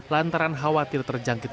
lantaran khawatir terjangkit